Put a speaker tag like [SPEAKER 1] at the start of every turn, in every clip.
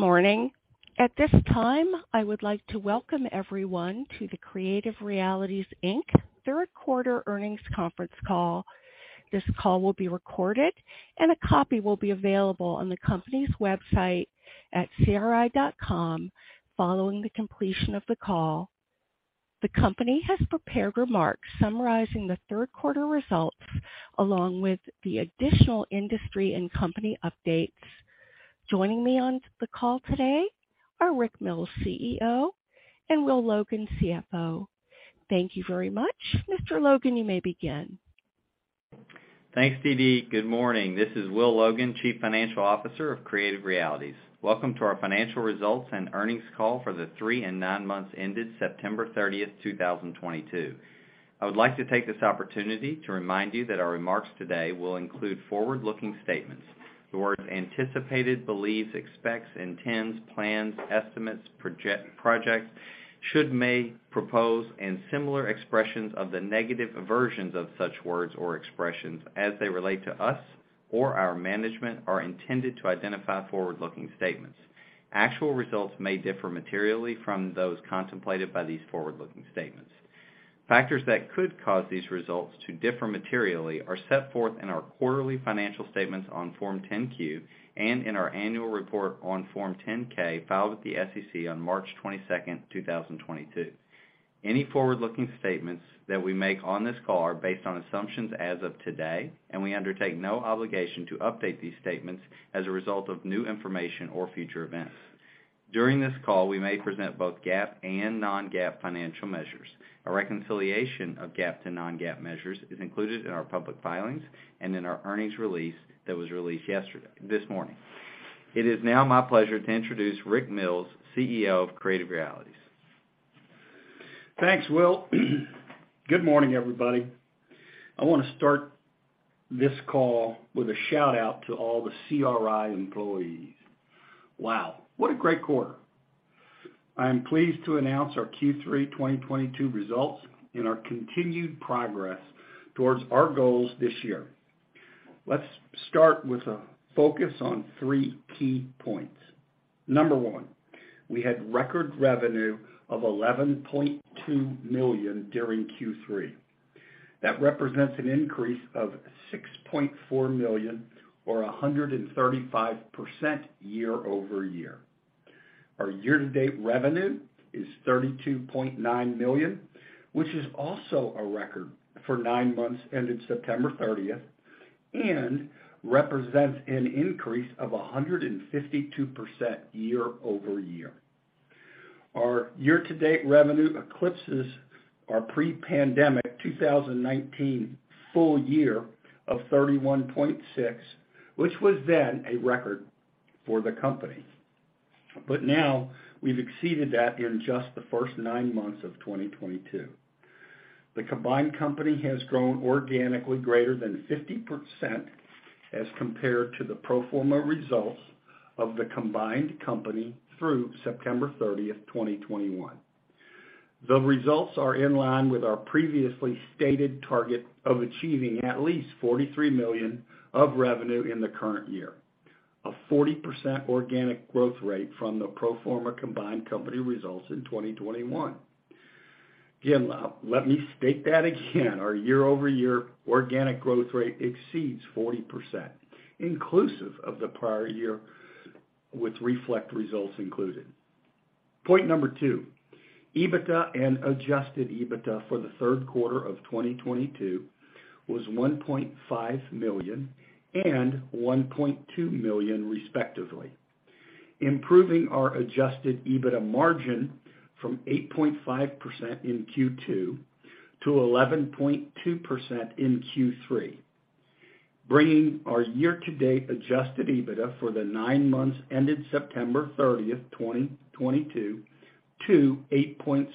[SPEAKER 1] Good morning. At this time, I would like to welcome everyone to the Creative Realities, Inc third quarter earnings conference call. This call will be recorded and a copy will be available on the company's website at cri.com following the completion of the call. The company has prepared remarks summarizing the third quarter results along with the additional industry and company updates. Joining me on the call today are Rick Mills, CEO, and Will Logan, CFO. Thank you very much. Mr. Logan, you may begin.
[SPEAKER 2] Thanks, Dee Dee. Good morning. This is Will Logan, Chief Financial Officer of Creative Realities. Welcome to our financial results and earnings call for the three and nine months ended September 30, 2022. I would like to take this opportunity to remind you that our remarks today will include forward-looking statements. The words anticipated, believes, expects, intends, plans, estimates, project, should, may, propose, and similar expressions or the negative versions of such words or expressions as they relate to us or our management are intended to identify forward-looking statements. Actual results may differ materially from those contemplated by these forward-looking statements. Factors that could cause these results to differ materially are set forth in our quarterly financial statements on Form 10-Q and in our annual report on Form 10-K filed with the SEC on March 22, 2022. Any forward-looking statements that we make on this call are based on assumptions as of today, and we undertake no obligation to update these statements as a result of new information or future events. During this call, we may present both GAAP and non-GAAP financial measures. A reconciliation of GAAP to non-GAAP measures is included in our public filings and in our earnings release that was released yesterday, this morning. It is now my pleasure to introduce Rick Mills, CEO of Creative Realities.
[SPEAKER 3] Thanks, Will. Good morning, everybody. I wanna start this call with a shout-out to all the CRI employees. Wow, what a great quarter. I am pleased to announce our Q3 2022 results and our continued progress towards our goals this year. Let's start with a focus on three key points. Number one, we had record revenue of $11.2 million during Q3. That represents an increase of $6.4 million or 135% year-over-year. Our year-to-date revenue is $32.9 million, which is also a record for nine months ended September 30th, and represents an increase of 152% year-over-year. Our year-to-date revenue eclipses our pre-pandemic 2019 full year of $31.6 million, which was then a record for the company. Now we've exceeded that in just the first nine months of 2022. The combined company has grown organically greater than 50% as compared to the pro forma results of the combined company through September 30, 2021. The results are in line with our previously stated target of achieving at least $43 million of revenue in the current year, a 40% organic growth rate from the pro forma combined company results in 2021. Again, let me state that again. Our year-over-year organic growth rate exceeds 40%, inclusive of the prior year, with Reflect results included. Point number two, EBITDA and adjusted EBITDA for the third quarter of 2022 was $1.5 million and $1.2 million respectively, improving our adjusted EBITDA margin from 8.5% in Q2 to 11.2% in Q3, bringing our year-to-date adjusted EBITDA for the nine months ended September 30, 2022 to 8.6%.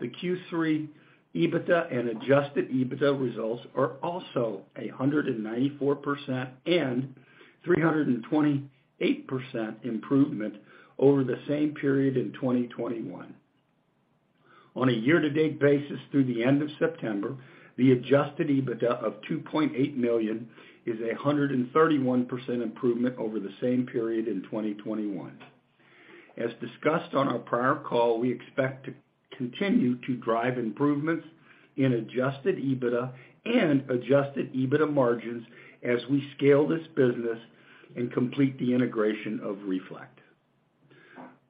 [SPEAKER 3] The Q3 EBITDA and adjusted EBITDA results are also 194% and 328% improvement over the same period in 2021. On a year-to-date basis through the end of September, the adjusted EBITDA of $2.8 million is 131% improvement over the same period in 2021. As discussed on our prior call, we expect to continue to drive improvements in adjusted EBITDA and adjusted EBITDA margins as we scale this business and complete the integration of Reflect.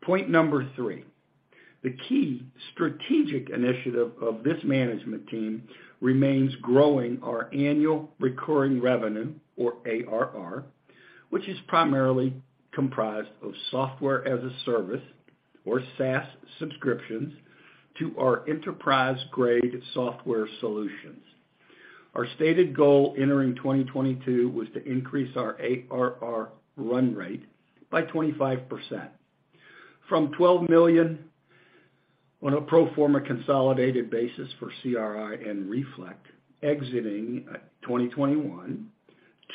[SPEAKER 3] Point number three, the key strategic initiative of this management team remains growing our Annual Recurring Revenue or ARR, which is primarily comprised of software-as-a-service or SaaS subscriptions to our enterprise-grade software solutions. Our stated goal entering 2022 was to increase our ARR run rate by 25% from $12 million on a pro forma consolidated basis for CRI and Reflect exiting 2021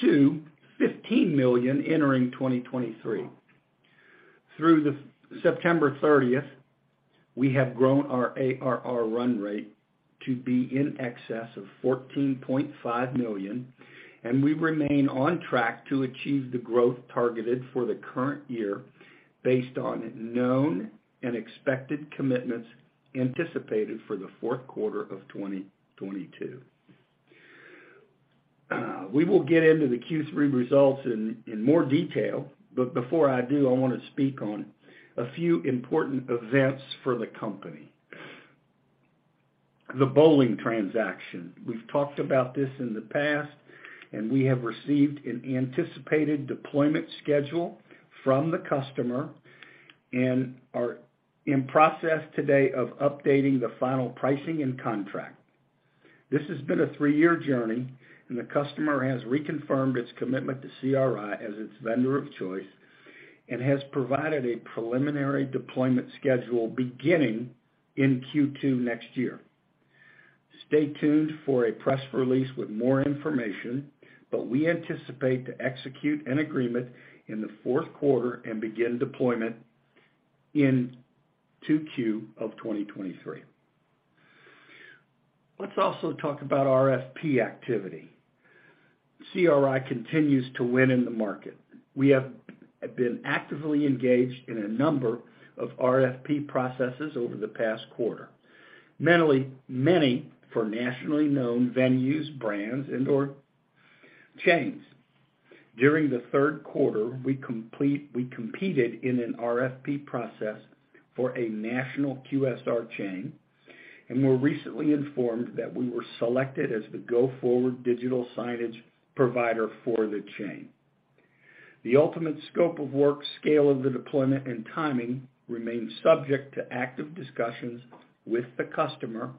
[SPEAKER 3] to $15 million entering 2023. Through the September 30, we have grown our ARR run rate to be in excess of $14.5 million, and we remain on track to achieve the growth targeted for the current year based on known and expected commitments anticipated for the fourth quarter of 2022. We will get into the Q3 results in more detail, but before I do, I wanna speak on a few important events for the company. The Bowling transaction. We've talked about this in the past, and we have received an anticipated deployment schedule from the customer and are in process today of updating the final pricing and contract. This has been a three-year journey, and the customer has reconfirmed its commitment to CRI as its vendor of choice and has provided a preliminary deployment schedule beginning in Q2 next year. Stay tuned for a press release with more information, but we anticipate to execute an agreement in the fourth quarter and begin deployment in 2Q of 2023. Let's also talk about RFP activity. CRI continues to win in the market. We have been actively engaged in a number of RFP processes over the past quarter. Many, many for nationally known venues, brands, and/or chains. During the third quarter, we competed in an RFP process for a national QSR chain and were recently informed that we were selected as the go forward digital signage provider for the chain. The ultimate scope of work, scale of the deployment, and timing remains subject to active discussions with the customer,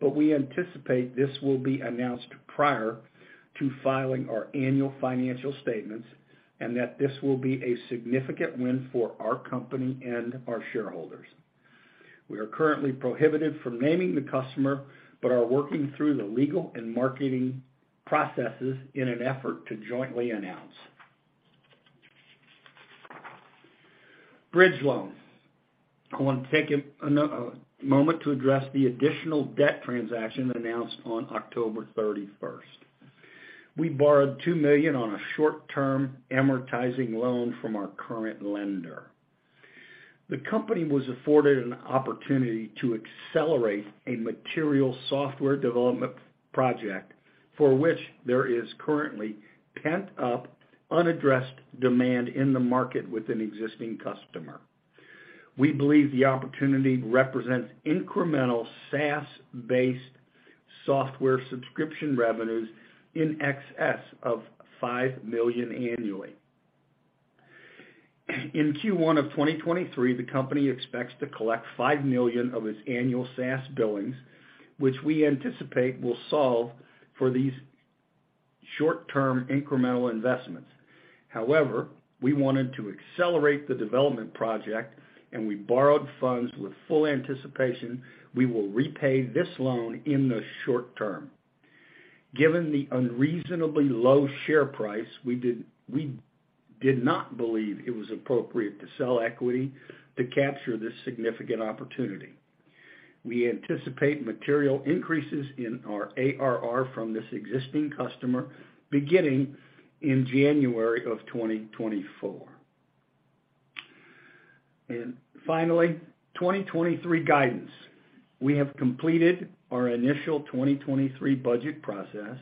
[SPEAKER 3] but we anticipate this will be announced prior to filing our annual financial statements and that this will be a significant win for our company and our shareholders. We are currently prohibited from naming the customer but are working through the legal and marketing processes in an effort to jointly announce. Bridge loans. I want to take another moment to address the additional debt transaction that announced on October 31. We borrowed $2 million on a short-term amortizing loan from our current lender. The company was afforded an opportunity to accelerate a material software development project for which there is currently pent-up, unaddressed demand in the market with an existing customer. We believe the opportunity represents incremental SaaS-based software subscription revenues in excess of $5 million annually. In Q1 of 2023, the company expects to collect $5 million of its annual SaaS billings, which we anticipate will solve for these short-term incremental investments. However, we wanted to accelerate the development project, and we borrowed funds with full anticipation we will repay this loan in the short term. Given the unreasonably low share price, we did not believe it was appropriate to sell equity to capture this significant opportunity. We anticipate material increases in our ARR from this existing customer beginning in January of 2024. Finally, 2023 guidance. We have completed our initial 2023 budget process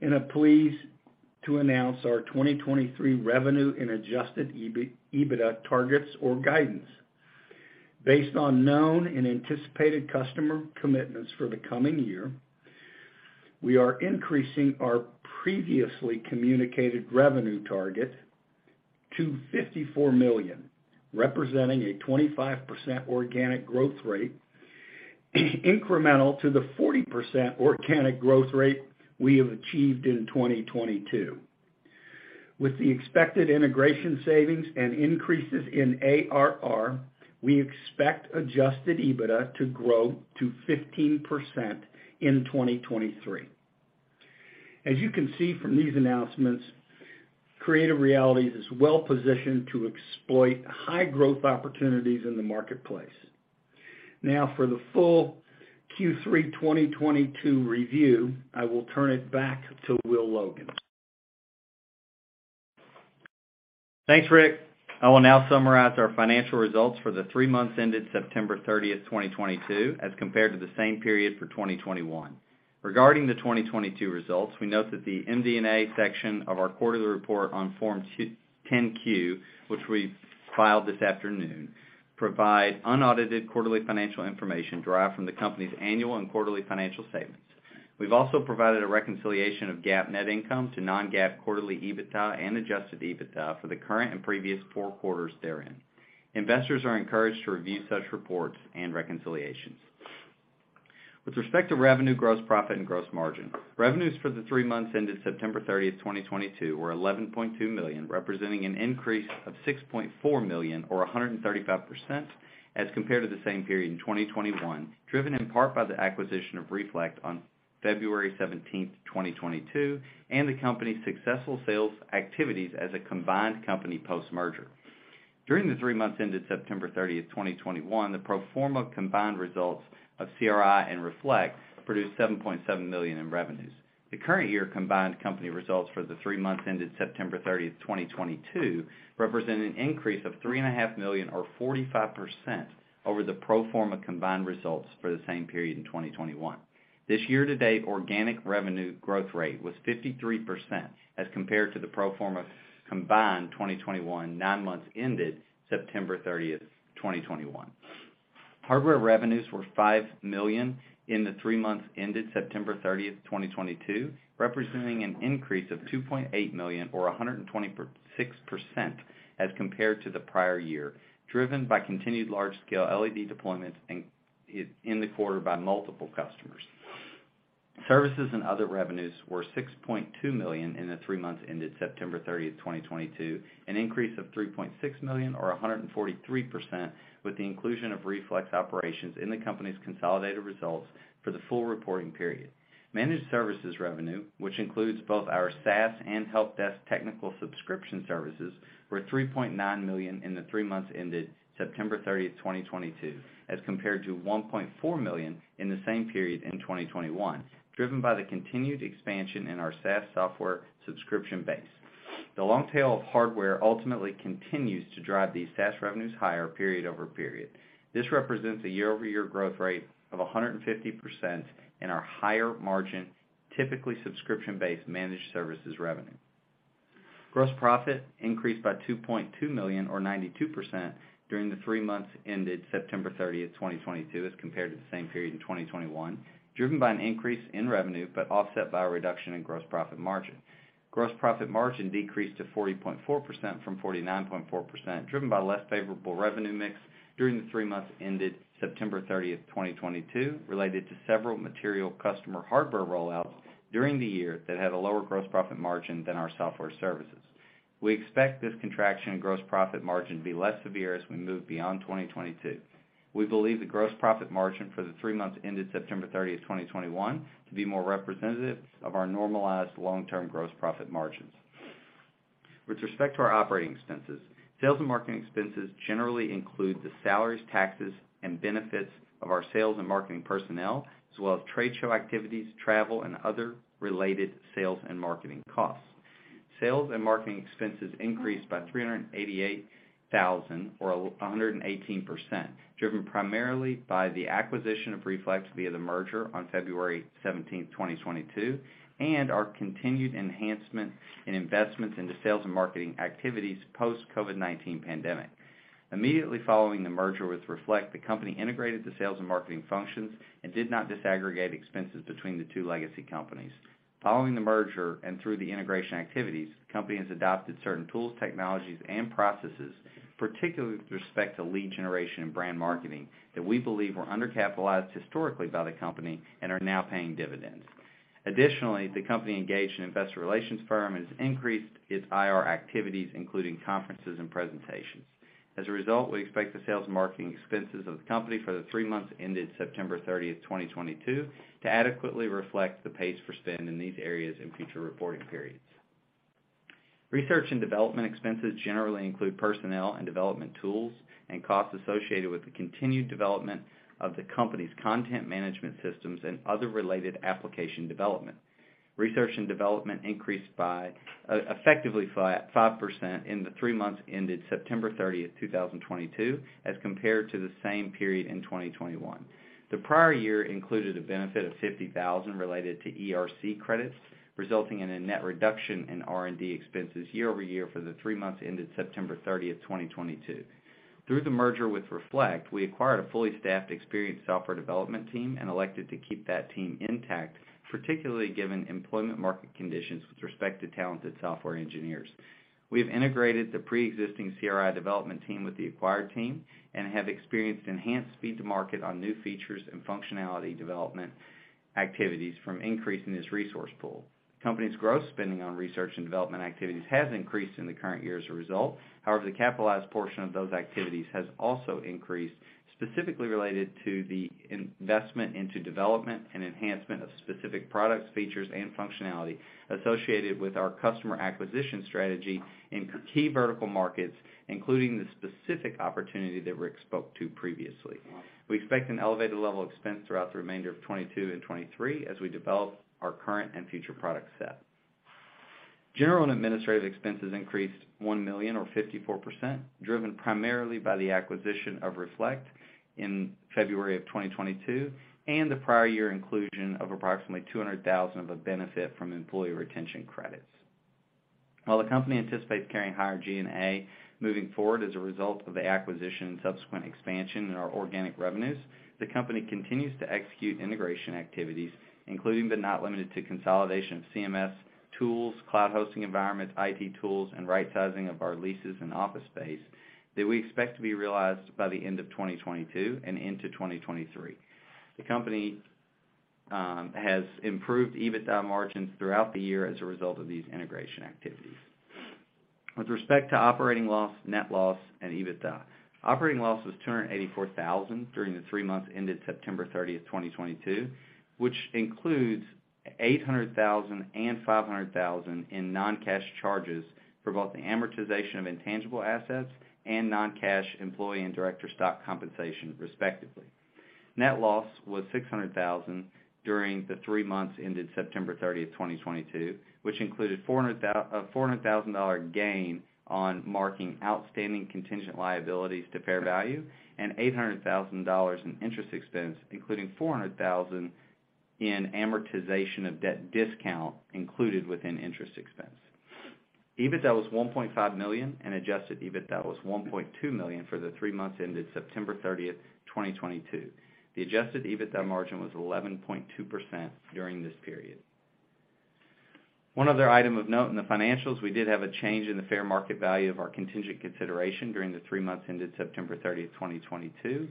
[SPEAKER 3] and are pleased to announce our 2023 revenue and adjusted EBITDA targets or guidance. Based on known and anticipated customer commitments for the coming year, we are increasing our previously communicated revenue target to $54 million, representing a 25% organic growth rate, incremental to the 40% organic growth rate we have achieved in 2022. With the expected integration savings and increases in ARR, we expect adjusted EBITDA to grow to 15% in 2023. As you can see from these announcements, Creative Realities is well-positioned to exploit high-growth opportunities in the marketplace. Now for the full Q3 2022 review, I will turn it back to Will Logan.
[SPEAKER 2] Thanks, Rick. I will now summarize our financial results for the three months ended September 30, 2022, as compared to the same period for 2021. Regarding the 2022 results, we note that the MD&A section of our quarterly report on Form 10-Q, which we filed this afternoon, provide unaudited quarterly financial information derived from the company's annual and quarterly financial statements. We've also provided a reconciliation of GAAP net income to non-GAAP quarterly EBITDA and adjusted EBITDA for the current and previous four quarters therein. Investors are encouraged to review such reports and reconciliations. With respect to revenue, gross profit, and gross margin, revenues for the three months ended September 30, 2022, were $11.2 million, representing an increase of $6.4 million or 135% as compared to the same period in 2021, driven in part by the acquisition of Reflect on February 17, 2022, and the company's successful sales activities as a combined company post-merger. During the three months ended September 30, 2021, the pro forma combined results of CRI and Reflect produced $7.7 million in revenues. The current year combined company results for the three months ended September 30, 2022, represent an increase of $3.5 million or 45% over the pro forma combined results for the same period in 2021. This year-to-date organic revenue growth rate was 53% as compared to the pro forma combined 2021 nine months ended September 30, 2021. Hardware revenues were $5 million in the three months ended September 30, 2022, representing an increase of $2.8 million or 126% as compared to the prior year, driven by continued large-scale LED deployments in the quarter by multiple customers. Services and other revenues were $6.2 million in the three months ended September 30, 2022, an increase of $3.6 million or 143% with the inclusion of Reflect's operations in the company's consolidated results for the full reporting period. Managed services revenue, which includes both our SaaS and Help Desk technical subscription services, were $3.9 million in the three months ended September 30, 2022, as compared to $1.4 million in the same period in 2021, driven by the continued expansion in our SaaS software subscription base. The long tail of hardware ultimately continues to drive these SaaS revenues higher period-over-period. This represents a year-over-year growth rate of 150% in our higher margin, typically subscription-based managed services revenue. Gross profit increased by $2.2 million or 92% during the three months ended September 30, 2022, as compared to the same period in 2021, driven by an increase in revenue, but offset by a reduction in gross profit margin. Gross profit margin decreased to 40.4% from 49.4%, driven by less favorable revenue mix during the three months ended September 30, 2022, related to several material customer hardware rollouts during the year that had a lower gross profit margin than our software services. We expect this contraction in gross profit margin to be less severe as we move beyond 2022. We believe the gross profit margin for the three months ended September 30, 2021 to be more representative of our normalized long-term gross profit margins. With respect to our operating expenses, sales and marketing expenses generally include the salaries, taxes, and benefits of our sales and marketing personnel, as well as trade show activities, travel, and other related sales and marketing costs. Sales and marketing expenses increased by $388,000 or 118%, driven primarily by the acquisition of Reflect via the merger on February 17, 2022, and our continued enhancement in investments into sales and marketing activities post-COVID-19 pandemic. Immediately following the merger with Reflect, the company integrated the sales and marketing functions and did not disaggregate expenses between the two legacy companies. Following the merger and through the integration activities, the company has adopted certain tools, technologies, and processes, particularly with respect to lead generation and brand marketing, that we believe were undercapitalized historically by the company and are now paying dividends. Additionally, the company engaged an investor relations firm and has increased its IR activities, including conferences and presentations. As a result, we expect the sales and marketing expenses of the company for the three months ended September 30, 2022 to adequately reflect the pace of spend in these areas in future reporting periods. Research and development expenses generally include personnel and development tools and costs associated with the continued development of the company's content management systems and other related application development. Research and development increased by effectively 5% in the three months ended September 30, 2022, as compared to the same period in 2021. The prior year included a benefit of $50,000 related to ERC credits, resulting in a net reduction in R&D expenses year-over-year for the three months ended September 30, 2022. Through the merger with Reflect, we acquired a fully staffed, experienced software development team and elected to keep that team intact, particularly given employment market conditions with respect to talented software engineers. We have integrated the pre-existing CRI development team with the acquired team and have experienced enhanced speed to market on new features and functionality development activities from increasing this resource pool. The company's gross spending on research and development activities has increased in the current year as a result. However, the capitalized portion of those activities has also increased, specifically related to the investment into development and enhancement of specific products, features, and functionality associated with our customer acquisition strategy in key vertical markets, including the specific opportunity that Rick spoke to previously. We expect an elevated level of expense throughout the remainder of 2022 and 2023 as we develop our current and future product set. General and administrative expenses increased $1 million or 54%, driven primarily by the acquisition of Reflect in February 2022 and the prior year inclusion of approximately $200,000 of a benefit from employee retention credits. While the company anticipates carrying higher G&A moving forward as a result of the acquisition and subsequent expansion in our organic revenues, the company continues to execute integration activities, including but not limited to consolidation of CMS tools, cloud hosting environments, IT tools, and right-sizing of our leases and office space that we expect to be realized by the end of 2022 and into 2023. The company has improved EBITDA margins throughout the year as a result of these integration activities. With respect to operating loss, net loss, and EBITDA, operating loss was $284,000 during the three months ended September 30th, 2022, which includes $800,000 and $500,000 in non-cash charges for both the amortization of intangible assets and non-cash employee and director stock compensation, respectively. Net loss was $600,000 during the three months ended September 30th, 2022, which included $400,000 gain on marking outstanding contingent liabilities to fair value and $800,000 in interest expense, including $400,000 in amortization of debt discount included within interest expense. EBITDA was $1.5 million and adjusted EBITDA was $1.2 million for the three months ended September 30th, 2022. The adjusted EBITDA margin was 11.2% during this period. One other item of note in the financials, we did have a change in the fair market value of our contingent consideration during the three months ended September 30, 2022,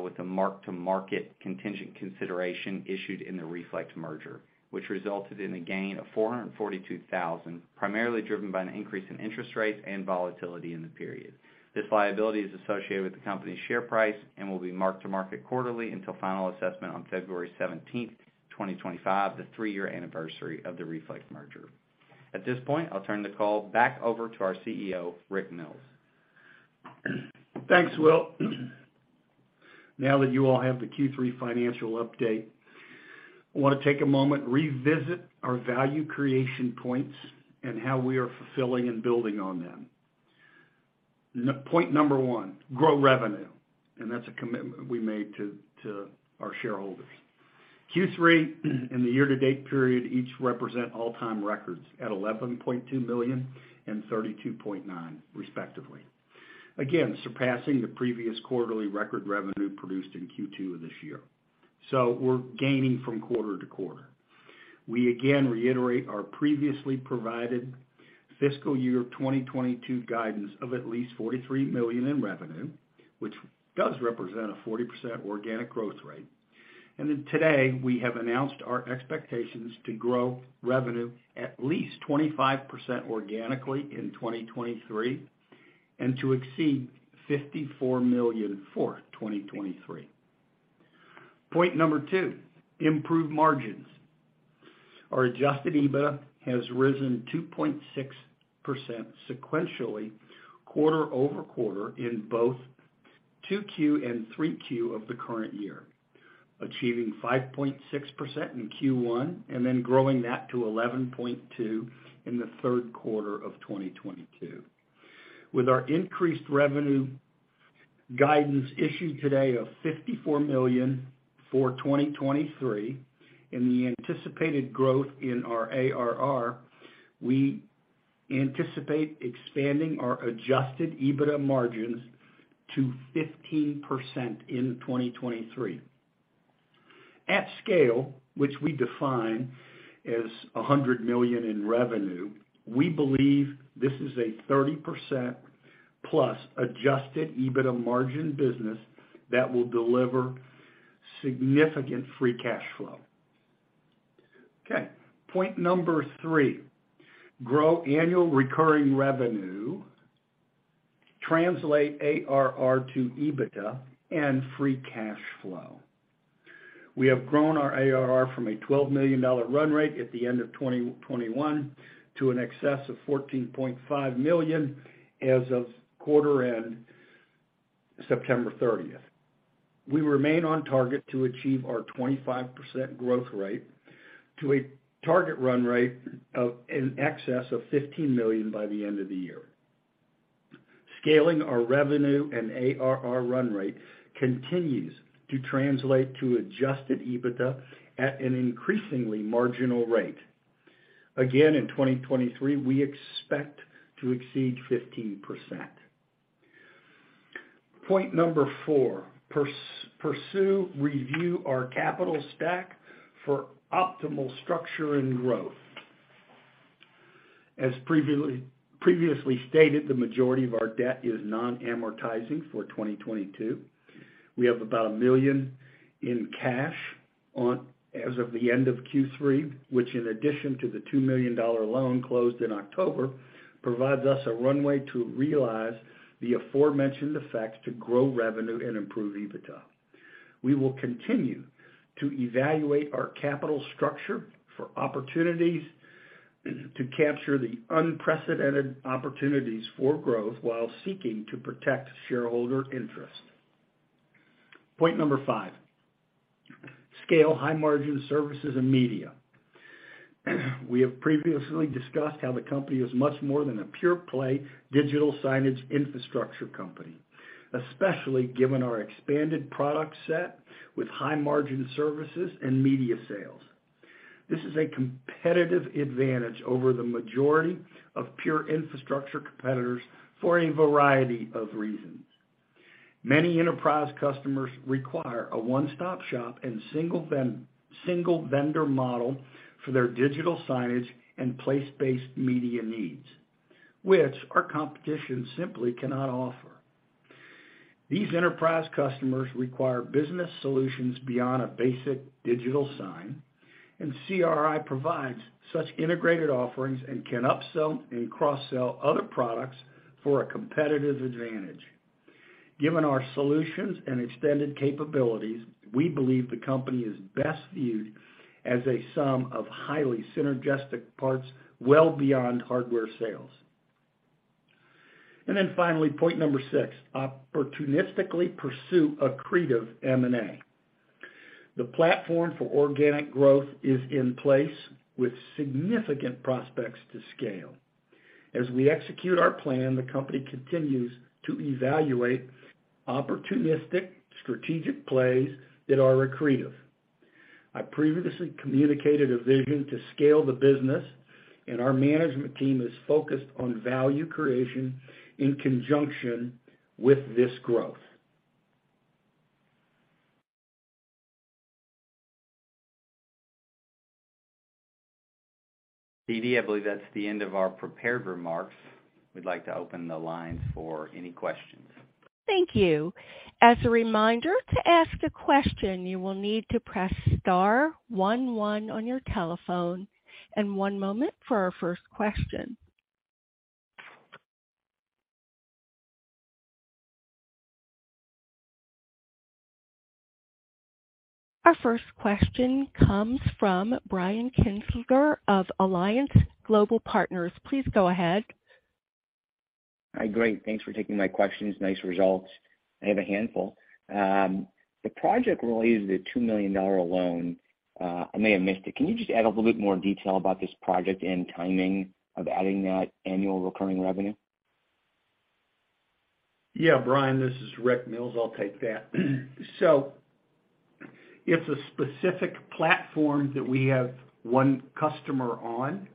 [SPEAKER 2] with the mark-to-market contingent consideration issued in the Reflect merger, which resulted in a gain of $442,000, primarily driven by an increase in interest rates and volatility in the period. This liability is associated with the company's share price and will be mark-to-market quarterly until final assessment on February 17, 2025, the three-year anniversary of the Reflect merger. At this point, I'll turn the call back over to our CEO, Rick Mills.
[SPEAKER 3] Thanks, Will. Now that you all have the Q3 financial update, I wanna take a moment, revisit our value creation points, and how we are fulfilling and building on them. Point number one, grow revenue, and that's a commitment we made to our shareholders. Q3 and the year-to-date period each represent all-time records at $11.2 million and $32.9 million, respectively. Again, surpassing the previous quarterly record revenue produced in Q2 of this year. We're gaining from quarter-to-quarter. We again reiterate our previously provided fiscal year 2022 guidance of at least $43 million in revenue, which does represent a 40% organic growth rate. Today, we have announced our expectations to grow revenue at least 25% organically in 2023, and to exceed $54 million for 2023. Point number two, improve margins. Our adjusted EBITDA has risen 2.6% sequentially quarter-over-quarter in both 2Q and 3Q of the current year, achieving 5.6% in Q1, and then growing that to 11.2% in the third quarter of 2022. With our increased revenue guidance issued today of $54 million for 2023 and the anticipated growth in our ARR, we anticipate expanding our adjusted EBITDA margins to 15% in 2023. At scale, which we define as $100 million in revenue, we believe this is a 30%+ adjusted EBITDA margin business that will deliver significant free cash flow. Okay. Point number three, grow Annual Recurring Revenue, translate ARR to EBITDA and free cash flow. We have grown our ARR from a $12 million run rate at the end of 2021 to in excess of $14.5 million as of quarter end, September 30. We remain on target to achieve our 25% growth rate to a target run rate of in excess of $15 million by the end of the year. Scaling our revenue and ARR run rate continues to translate to adjusted EBITDA at an increasingly marginal rate. Again, in 2023, we expect to exceed 15%. Point number four, pursue review our capital stack for optimal structure and growth. As previously stated, the majority of our debt is non-amortizing for 2022. We have about $1 million in cash as of the end of Q3, which in addition to the $2 million loan closed in October, provides us a runway to realize the aforementioned effects to grow revenue and improve EBITDA. We will continue to evaluate our capital structure for opportunities to capture the unprecedented opportunities for growth while seeking to protect shareholder interest. Point number five, scale high-margin services and media. We have previously discussed how the company is much more than a pure play digital signage infrastructure company, especially given our expanded product set with high margin services and media sales. This is a competitive advantage over the majority of pure infrastructure competitors for a variety of reasons. Many enterprise customers require a one-stop shop and single vendor model for their digital signage and place-based media needs, which our competition simply cannot offer. These enterprise customers require business solutions beyond a basic digital sign, and CRI provides such integrated offerings and can upsell and cross-sell other products for a competitive advantage. Given our solutions and extended capabilities, we believe the company is best viewed as a sum of highly synergistic parts well beyond hardware sales. Finally, point number six, opportunistically pursue accretive M&A. The platform for organic growth is in place with significant prospects to scale. As we execute our plan, the company continues to evaluate opportunistic strategic plays that are accretive. I previously communicated a vision to scale the business, and our management team is focused on value creation in conjunction with this growth.
[SPEAKER 2] Dee Dee, I believe that's the end of our prepared remarks. We'd like to open the line for any questions.
[SPEAKER 1] Thank you. As a reminder, to ask a question, you will need to press star one one on your telephone, and one moment for our first question. Our first question comes from Brian Kinstlinger of Alliance Global Partners. Please go ahead.
[SPEAKER 4] Hi. Great. Thanks for taking my questions. Nice results. I have a handful. The project related to the $2 million loan, I may have missed it. Can you just add a little bit more detail about this project and timing of adding that Annual Recurring Revenue?
[SPEAKER 3] Yeah, Brian, this is Rick Mills. I'll take that. It's a specific platform that we have one customer on.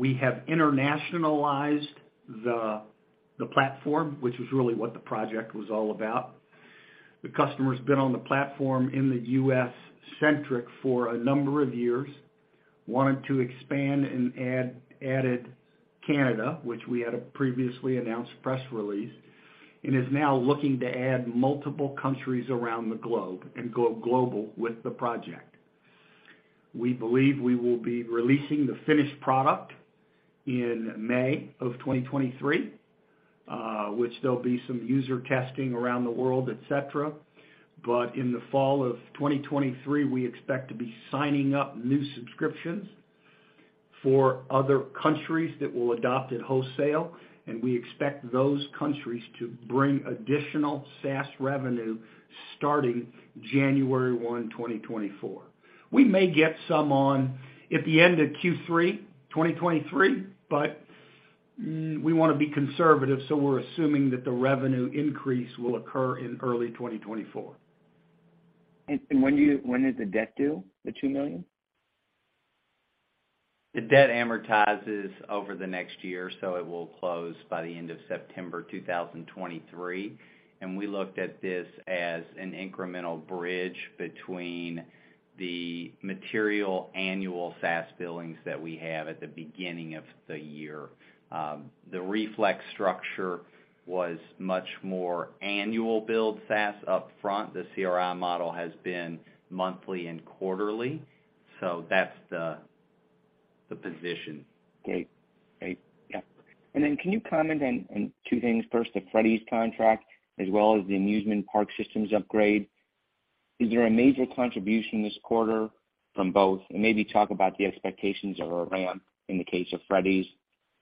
[SPEAKER 3] We have internationalized the platform, which is really what the project was all about. The customer's been on the platform in the U.S.-centric for a number of years, wanted to expand and added Canada, which we had a previously announced press release, and is now looking to add multiple countries around the globe and go global with the project. We believe we will be releasing the finished product in May 2023, which there'll be some user testing around the world, et cetera. In the fall 2023, we expect to be signing up new subscriptions for other countries that will adopt at wholesale, and we expect those countries to bring additional SaaS revenue starting January 1, 2024. We may get some on at the end of Q3 2023, but we wanna be conservative, so we're assuming that the revenue increase will occur in early 2024.
[SPEAKER 4] When is the debt due, the $2 million?
[SPEAKER 2] The debt amortizes over the next year, so it will close by the end of September 2023. We looked at this as an incremental bridge between the material annual SaaS billings that we have at the beginning of the year. The Reflect structure was much more annual billed SaaS upfront. The CRI model has been monthly and quarterly, so that's the position.
[SPEAKER 4] Great. Yeah. Then can you comment on two things? First, the Freddy's contract as well as the amusement park systems upgrade. Is there a major contribution this quarter from both? Maybe talk about the expectations of a ramp in the case of Freddy's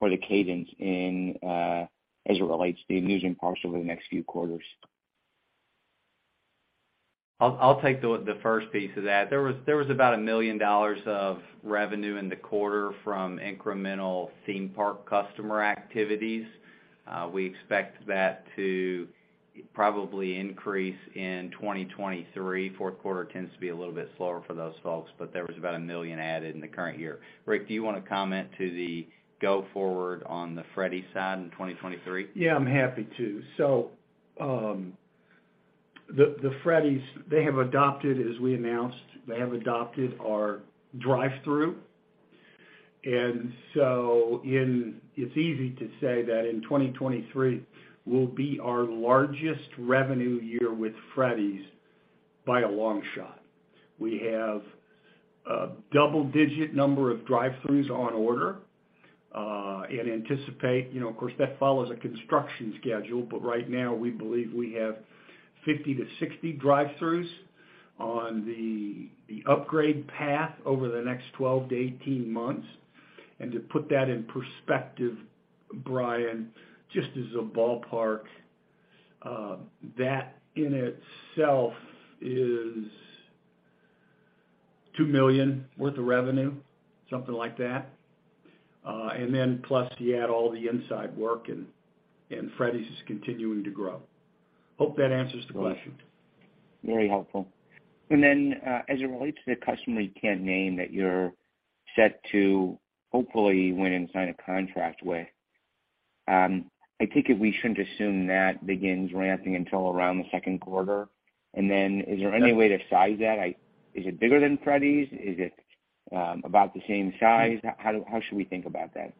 [SPEAKER 4] or the cadence in as it relates to the amusement parks over the next few quarters.
[SPEAKER 2] I'll take the first piece of that. There was about $1 million of revenue in the quarter from incremental theme park customer activities. We expect that to probably increase in 2023. Fourth quarter tends to be a little bit slower for those folks, but there was about $1 million added in the current year. Rick, do you wanna comment to the go forward on the Freddy's side in 2023?
[SPEAKER 3] Yeah, I'm happy to. The Freddy's, they have adopted, as we announced, they have adopted our drive-through. It's easy to say that in 2023 will be our largest revenue year with Freddy's by a long shot. We have a double-digit number of drive-throughs on order, and anticipate you know, of course, that follows a construction schedule, but right now we believe we have 50-60 drive-throughs on the upgrade path over the next 12-18 months. To put that in perspective, Brian, just as a ballpark, that in itself is $2 million worth of revenue, something like that. Then plus you add all the inside work and Freddy's is continuing to grow. Hope that answers the question.
[SPEAKER 4] Very helpful. As it relates to the customer you can't name that you're set to hopefully win and sign a contract with, I take it we shouldn't assume that begins ramping until around the second quarter. Is there any way to size that? Is it bigger than Freddy's? Is it about the same size? How should we think about that?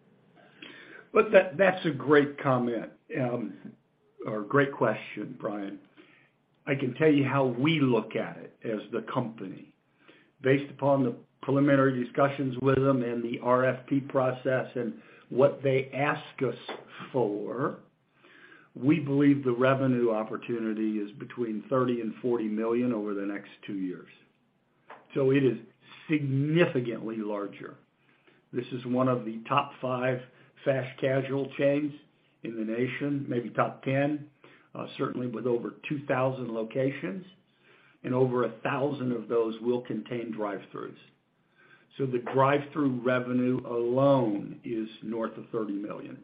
[SPEAKER 3] Look, that's a great comment, or great question, Brian. I can tell you how we look at it as the company. Based upon the preliminary discussions with them and the RFP process and what they ask us for. We believe the revenue opportunity is between $30 million and $40 million over the next two years. It is significantly larger. This is one of the top five fast casual chains in the nation, maybe top 10, certainly with over 2,000 locations, and over 1,000 of those will contain drive-throughs. The drive-through revenue alone is north of $30 million.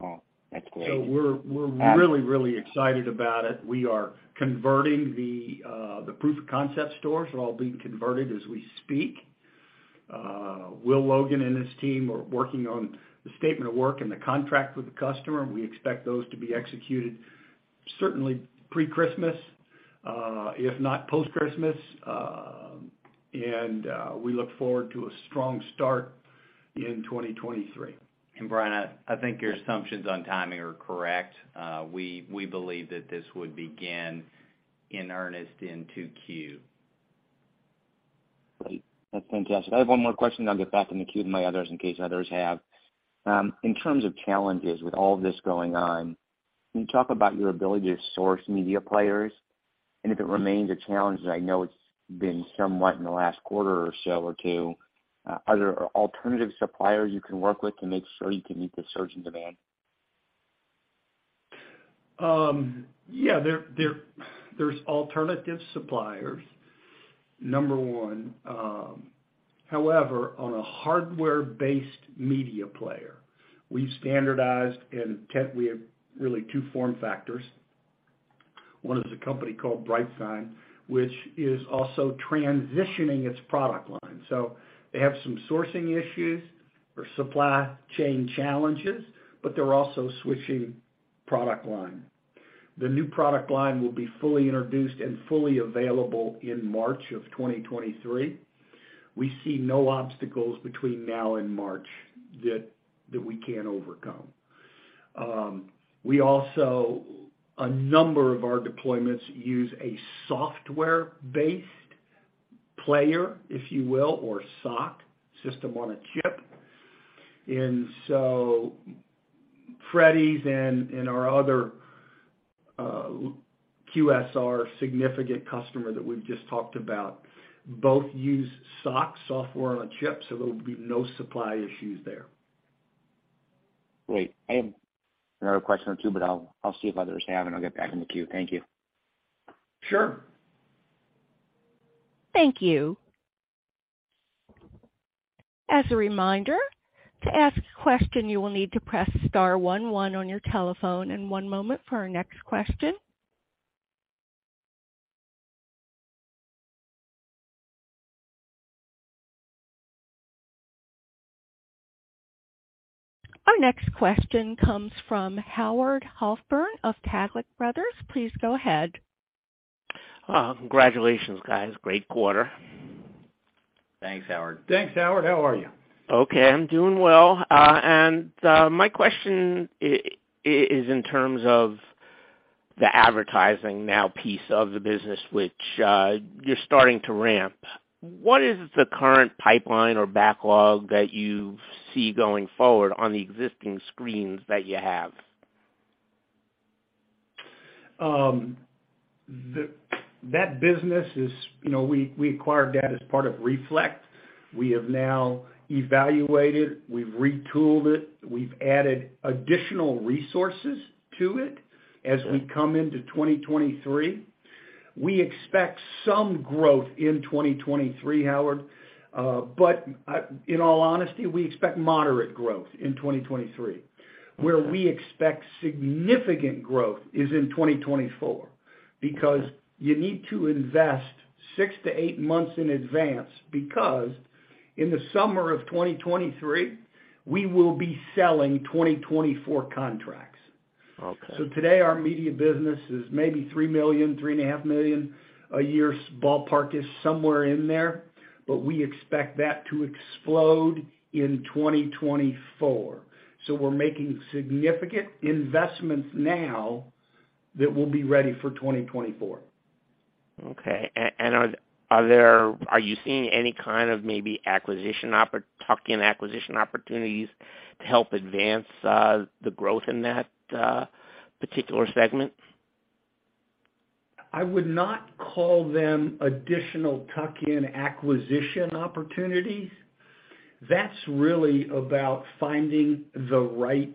[SPEAKER 4] Oh, that's great.
[SPEAKER 3] We're really excited about it. The proof of concept stores are all being converted as we speak. Will Logan and his team are working on the statement of work and the contract with the customer. We expect those to be executed certainly pre-Christmas, if not post-Christmas. We look forward to a strong start in 2023.
[SPEAKER 2] Brian, I think your assumptions on timing are correct. We believe that this would begin in earnest in 2Q.
[SPEAKER 4] Great. That's fantastic. I have one more question, I'll get back in the queue to my others in case others have. In terms of challenges with all of this going on, can you talk about your ability to source media players? If it remains a challenge, I know it's been somewhat in the last quarter or so or two. Are there alternative suppliers you can work with to make sure you can meet the surge in demand?
[SPEAKER 3] Yeah, there's alternative suppliers, number one. However, on a hardware-based media player, we've standardized and we have really two form factors. One is a company called BrightSign, which is also transitioning its product line. They have some sourcing issues or supply chain challenges, but they're also switching product line. The new product line will be fully introduced and fully available in March 2023. We see no obstacles between now and March that we can't overcome. We also, a number of our deployments use a software-based player, if you will, or SOC, System on a Chip. Freddy's and our other significant QSR customer that we've just talked about both use SOC, software on a chip, so there will be no supply issues there.
[SPEAKER 4] Great. I have another question or two, but I'll see if others have, and I'll get back in the queue. Thank you.
[SPEAKER 3] Sure.
[SPEAKER 1] Thank you. As a reminder, to ask a question, you will need to press star one one on your telephone, and one moment for our next question. Our next question comes from Howard Halpern of Taglich Brothers. Please go ahead.
[SPEAKER 5] Congratulations, guys. Great quarter.
[SPEAKER 2] Thanks, Howard.
[SPEAKER 3] Thanks, Howard. How are you?
[SPEAKER 5] Okay, I'm doing well. My question is in terms of the advertising now piece of the business, which you're starting to ramp. What is the current pipeline or backlog that you see going forward on the existing screens that you have?
[SPEAKER 3] That business is, you know, we acquired that as part of Reflect. We have now evaluated, we've retooled it, we've added additional resources to it as we come into 2023. We expect some growth in 2023, Howard. In all honesty, we expect moderate growth in 2023. Where we expect significant growth is in 2024, because you need to invest six to eight months in advance because in the summer of 2023, we will be selling 2024 contracts.
[SPEAKER 5] Okay.
[SPEAKER 3] Today, our media business is maybe $3 million-$3.5 million a year. Ballpark is somewhere in there, but we expect that to explode in 2024. We're making significant investments now that will be ready for 2024.
[SPEAKER 5] Are you seeing any kind of maybe tuck-in acquisition opportunities to help advance the growth in that particular segment?
[SPEAKER 3] I would not call them additional tuck-in acquisition opportunities. That's really about finding the right,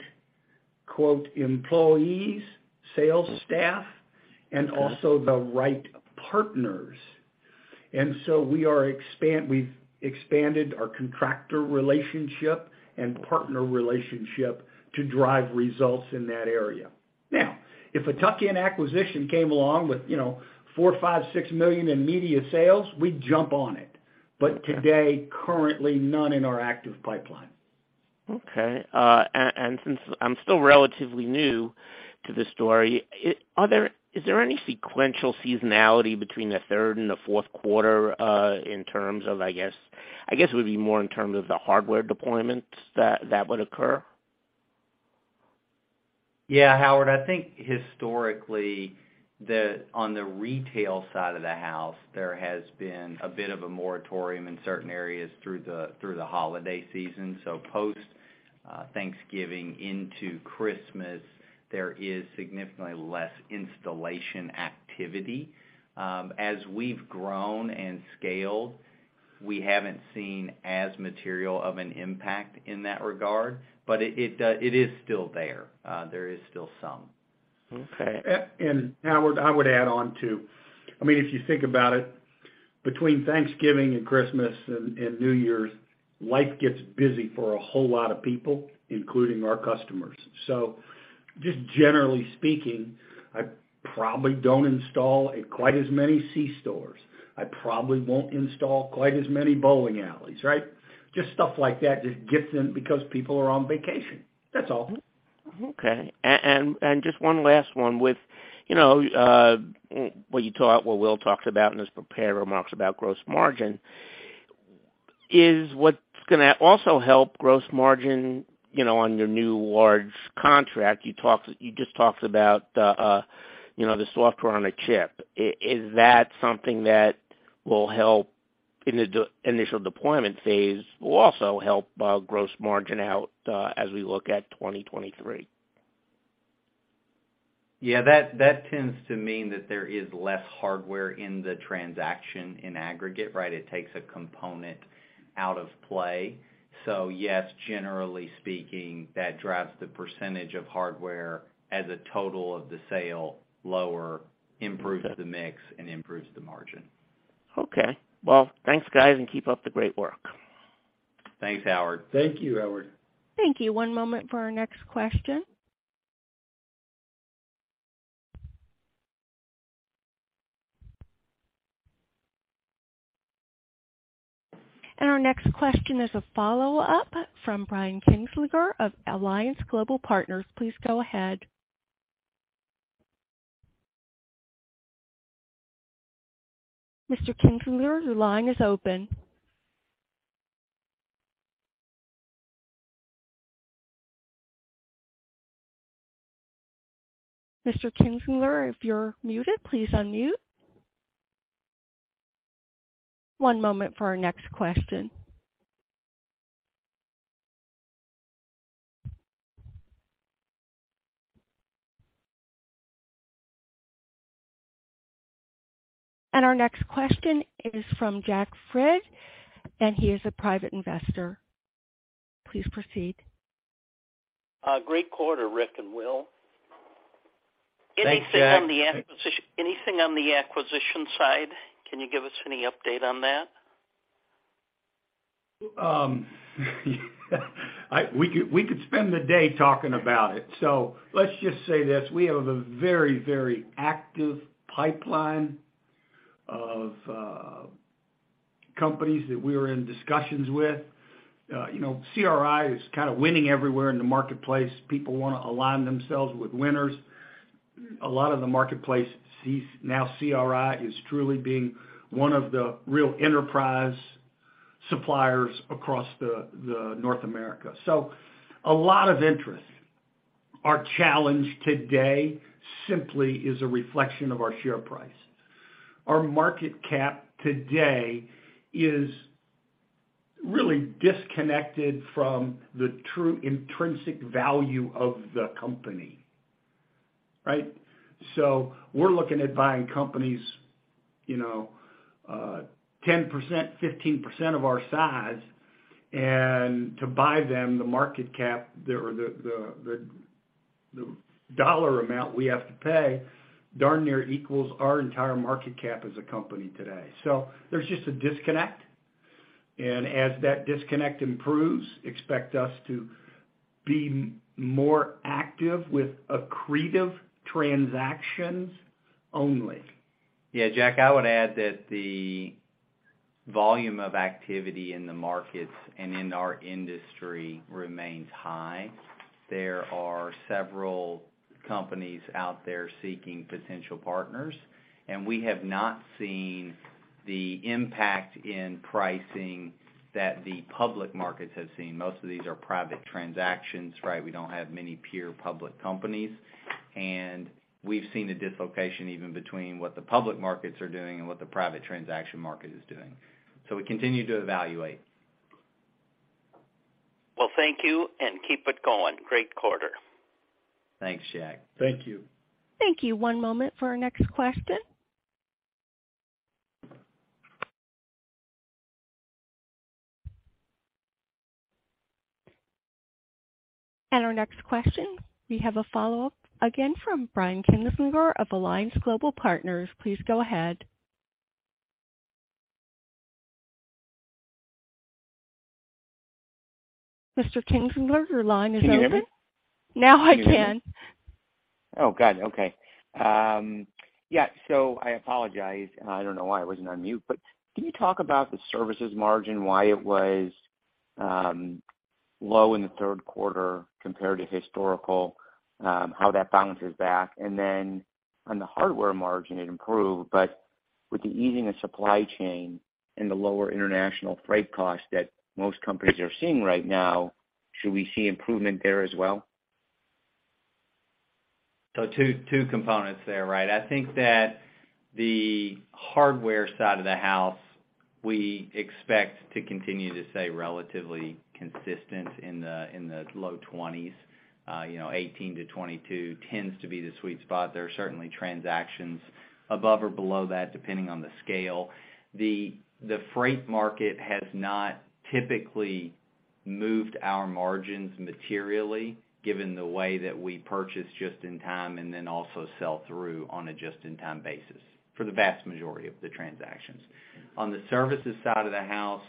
[SPEAKER 3] quote, "employees, sales staff," and also the right partners. We've expanded our contractor relationship and partner relationship to drive results in that area. Now, if a tuck-in acquisition came along with, you know, $4 million, $5 million, $6 million in media sales, we'd jump on it. Today, currently none in our active pipeline.
[SPEAKER 5] Okay. Since I'm still relatively new to the story, is there any sequential seasonality between the third and the fourth quarter, in terms of, I guess it would be more in terms of the hardware deployments that would occur?
[SPEAKER 2] Yeah, Howard, I think historically, on the retail side of the house, there has been a bit of a moratorium in certain areas through the holiday season. Post-Thanksgiving into Christmas, there is significantly less installation activity. As we've grown and scaled, we haven't seen as material of an impact in that regard, but it is still there. There is still some.
[SPEAKER 5] Okay.
[SPEAKER 3] Howard, I would add on to. I mean, if you think about it, between Thanksgiving and Christmas and New Year's, life gets busy for a whole lot of people, including our customers. Just generally speaking, I probably don't install at quite as many C-stores. I probably won't install quite as many bowling alleys, right? Just stuff like that just gets in because people are on vacation, that's all.
[SPEAKER 5] Okay. Just one last one with, you know, what Will talks about in his prepared remarks about gross margin. Is what's gonna also help gross margin, you know, on your new large contract, you just talked about, you know, the software on a chip. Is that something that will help in the initial deployment phase, will also help gross margin out, as we look at 2023?
[SPEAKER 2] Yeah, that tends to mean that there is less hardware in the transaction in aggregate, right? It takes a component out of play. Yes, generally speaking, that drives the percentage of hardware as a total of the sale lower, improves the mix and improves the margin.
[SPEAKER 5] Okay. Well, thanks guys, and keep up the great work.
[SPEAKER 2] Thanks, Howard.
[SPEAKER 3] Thank you, Howard.
[SPEAKER 1] Thank you. One moment for our next question. Our next question is a follow-up from Brian Kinstlinger of Alliance Global Partners. Please go ahead. Mr. Kinstlinger, your line is open. Mr. Kinstlinger, if you're muted, please unmute. One moment for our next question. Our next question is from Jack Frid, and he is a private investor. Please proceed.
[SPEAKER 6] Great quarter, Rick and Will.
[SPEAKER 3] Thanks, Jack.
[SPEAKER 6] Anything on the acquisition side? Can you give us any update on that?
[SPEAKER 3] We could spend the day talking about it. Let's just say this, we have a very, very active pipeline of companies that we are in discussions with. You know, CRI is kind of winning everywhere in the marketplace. People wanna align themselves with winners. A lot of the marketplace sees now CRI as truly being one of the real enterprise suppliers across the North America. A lot of interest. Our challenge today simply is a reflection of our share price. Our market cap today is really disconnected from the true intrinsic value of the company, right? We're looking at buying companies, you know, 10%, 15% of our size. To buy them, the market cap or the dollar amount we have to pay darn near equals our entire market cap as a company today. There's just a disconnect. As that disconnect improves, expect us to be more active with accretive transactions only.
[SPEAKER 2] Yeah, Jack, I would add that the volume of activity in the markets and in our industry remains high. There are several companies out there seeking potential partners, and we have not seen the impact in pricing that the public markets have seen. Most of these are private transactions, right? We've seen a dislocation even between what the public markets are doing and what the private transaction market is doing. We continue to evaluate.
[SPEAKER 6] Well, thank you, and keep it going. Great quarter.
[SPEAKER 2] Thanks, Jack.
[SPEAKER 3] Thank you.
[SPEAKER 1] Thank you. One moment for our next question. Our next question, we have a follow-up again from Brian Kinstlinger of Alliance Global Partners. Please go ahead. Mr. Kinstlinger, your line is open.
[SPEAKER 4] Can you hear me?
[SPEAKER 1] Now I can.
[SPEAKER 4] Oh, good. Okay. Yeah, I apologize. I don't know why I wasn't on mute, but can you talk about the services margin, why it was low in the third quarter compared to historical, how that balances back? On the hardware margin, it improved, but with the easing of supply chain and the lower international freight costs that most companies are seeing right now, should we see improvement there as well?
[SPEAKER 2] Two components there, right? I think that the hardware side of the house, we expect to continue to stay relatively consistent in the low 20s. You know, 18%-22% tends to be the sweet spot. There are certainly transactions above or below that, depending on the scale. The freight market has not typically moved our margins materially given the way that we purchase just-in-time and then also sell through on a just-in-time basis for the vast majority of the transactions. On the services side of the house,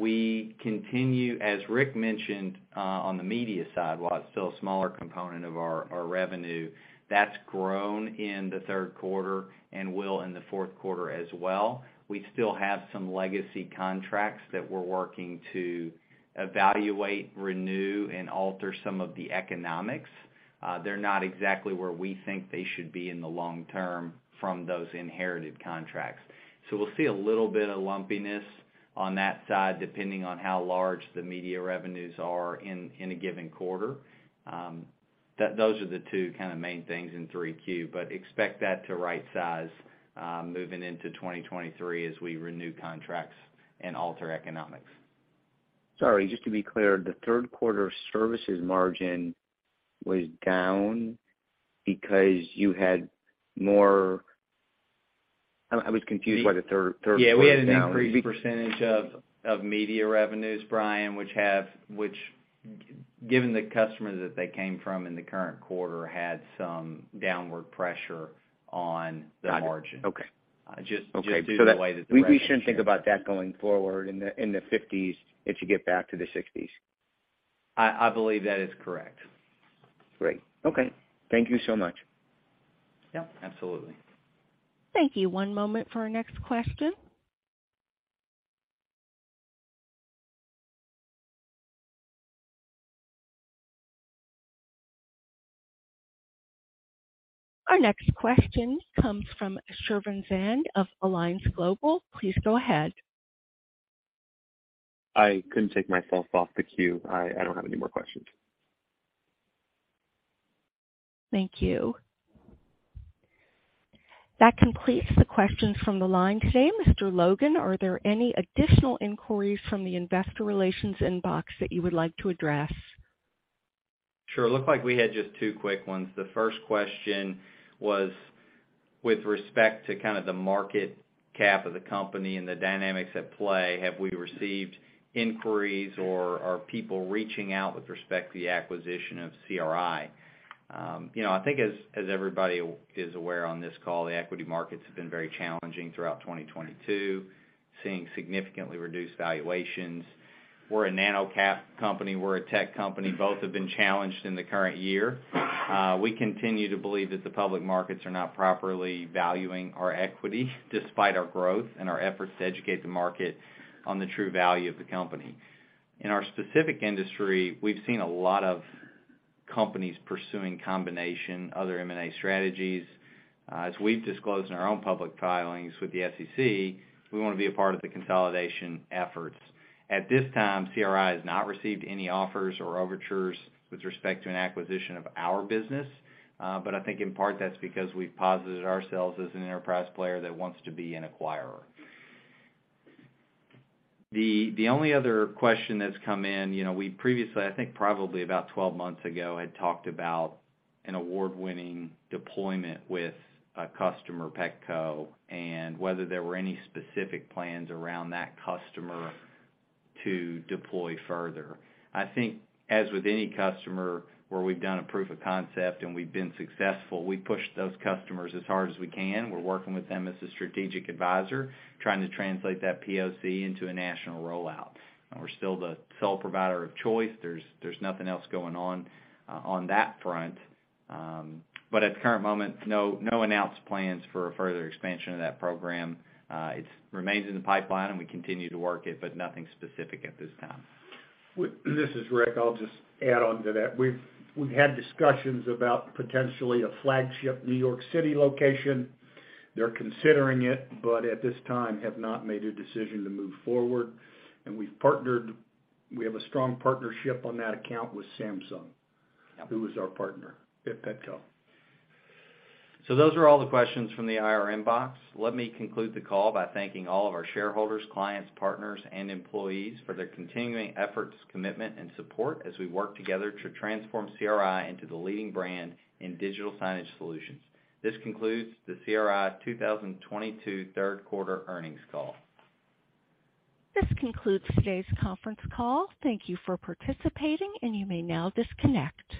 [SPEAKER 2] we continue, as Rick mentioned, on the media side, while it's still a smaller component of our revenue, that's grown in the third quarter and will in the fourth quarter as well. We still have some legacy contracts that we're working to evaluate, renew, and alter some of the economics. They're not exactly where we think they should be in the long term from those inherited contracts. We'll see a little bit of lumpiness on that side, depending on how large the media revenues are in a given quarter. Those are the two kind of main things in 3Q. Expect that to right size moving into 2023 as we renew contracts and alter economics.
[SPEAKER 4] Sorry, just to be clear, the third quarter services margin was down because you had more. I was confused why the third quarter now.
[SPEAKER 2] Yeah, we had an increased percentage of media revenues, Brian, which given the customer that they came from in the current quarter, had some downward pressure on the margin.
[SPEAKER 4] Okay.
[SPEAKER 2] Uh, just-
[SPEAKER 4] Okay.
[SPEAKER 2] Just due to the way that the revenue.
[SPEAKER 4] We shouldn't think about that going forward in the fifties if you get back to the 60s.
[SPEAKER 2] I believe that is correct.
[SPEAKER 4] Great. Okay. Thank you so much.
[SPEAKER 2] Yep, absolutely.
[SPEAKER 1] Thank you. One moment for our next question. Our next question comes from Shervin Zand of Alliance Global. Please go ahead.
[SPEAKER 7] I couldn't take myself off the queue. I don't have any more questions.
[SPEAKER 1] Thank you. That completes the questions from the line today. Mr. Logan, are there any additional inquiries from the investor relations inbox that you would like to address?
[SPEAKER 2] Sure. It looked like we had just two quick ones. The first question was with respect to kind of the market cap of the company and the dynamics at play, have we received inquiries or are people reaching out with respect to the acquisition of CRI? You know, I think as everybody is aware on this call, the equity markets have been very challenging throughout 2022, seeing significantly reduced valuations. We're a nano cap company. We're a tech company. Both have been challenged in the current year. We continue to believe that the public markets are not properly valuing our equity despite our growth and our efforts to educate the market on the true value of the company. In our specific industry, we've seen a lot of companies pursuing combination, other M&A strategies. As we've disclosed in our own public filings with the SEC, we wanna be a part of the consolidation efforts. At this time, CRI has not received any offers or overtures with respect to an acquisition of our business, but I think in part that's because we've posited ourselves as an enterprise player that wants to be an acquirer. The only other question that's come in, you know, we previously, I think probably about 12 months ago, had talked about an award-winning deployment with a customer, Petco, and whether there were any specific plans around that customer to deploy further. I think as with any customer where we've done a proof of concept and we've been successful, we push those customers as hard as we can. We're working with them as a strategic advisor, trying to translate that POC into a national rollout. We're still the sole provider of choice. There's nothing else going on that front. But at the current moment, no announced plans for a further expansion of that program. It remains in the pipeline, and we continue to work it, but nothing specific at this time.
[SPEAKER 3] This is Rick. I'll just add on to that. We've had discussions about potentially a flagship New York City location. They're considering it, but at this time have not made a decision to move forward. We have a strong partnership on that account with Samsung.
[SPEAKER 2] Yep.
[SPEAKER 3] Who is our partner at Petco.
[SPEAKER 2] Those are all the questions from the IR inbox. Let me conclude the call by thanking all of our shareholders, clients, partners, and employees for their continuing efforts, commitment, and support as we work together to transform CRI into the leading brand in digital signage solutions. This concludes the CRI 2022 third quarter earnings call.
[SPEAKER 1] This concludes today's conference call. Thank you for participating, and you may now disconnect.